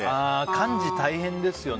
幹事、大変ですよね。